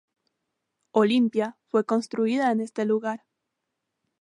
Olimpia fue construida en este lugar.